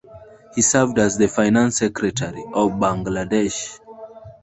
He served as the Finance Secretary of Bangladesh.